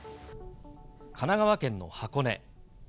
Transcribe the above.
神奈川県の箱根。